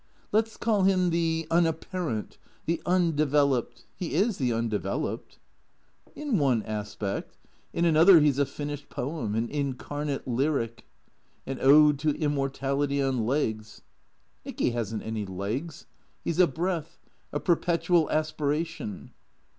" Let 's call him the Unapparent — the Undeveloped. He is the Undeveloped." " In one aspect. In another he 's a finished poem, an incar nate lyric "" An ode to immortality on legs "" Nicky has n't any legs. He 's a breath — a perpetual aspi ration."